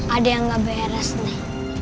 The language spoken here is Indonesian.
ada yang gak beres nih